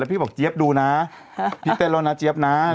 พี่บอกเจี๊ยบดูนะพี่เต้นแล้วนะเจี๊ยบนะ